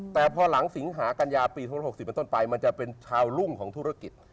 แต่พอหลังสิงหากัญญาปี๖๖๐เป็นต้นไปมันจะเป็นชาวรุ่งของธุรกิจ